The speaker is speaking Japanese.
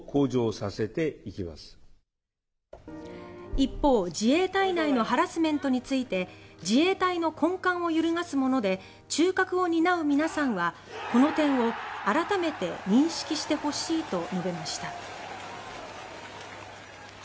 一方、自衛隊内のハラスメントについて自衛隊の根幹を揺るがすもので中核を担う皆さんはこの点を改めて認識してほしいと述べました。